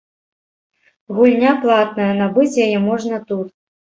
Гульня платная, набыць яе можна тут.